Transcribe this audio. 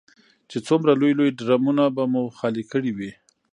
چې څومره لوی لوی ډرمونه به مو خالي کړي وي.